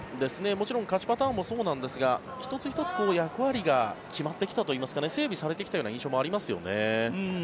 もちろん勝ちパターンもそうなんですが１つ１つ役割が決まってきたといいますか整備されてきたような印象もありますよね。